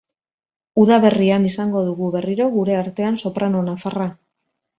Udaberrian izango dugu berriro gure artean soprano nafarra.